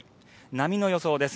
波の予想です。